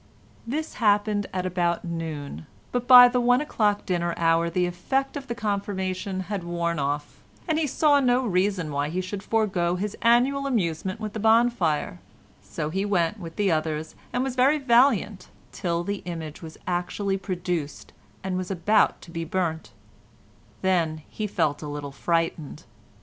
This happened at about noon, but by the one o'clock dinner hour the effect of the confirmation had worn off, and he saw no reason why he should forego his annual amusement with the bonfire; so he went with the others and was very valiant till the image was actually produced and was about to be burnt; then he felt a little frightened.